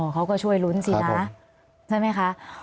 โดนสินะใช่ไหมคะ